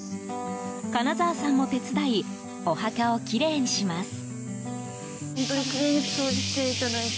金澤さんも手伝いお墓をきれいにします。